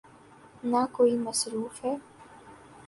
نہ کوئی مصرف ہے۔